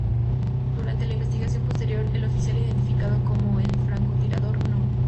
Durante la investigación posterior, el oficial identificado como el "Francotirador No.